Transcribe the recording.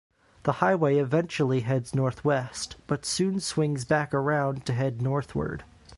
The highway eventually heads northwest, but soon swings back around to head northward.